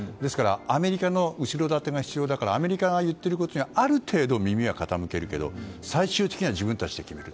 アメリカの後ろ盾が必要だからアメリカが言っていることにある程度、耳は傾けるが最終的には自分たちで決める。